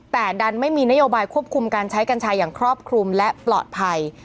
แต่ดันไม่มีนโยบายควบคุมการใช้กัญชาอย่างครอบคลุมและปลอดภัย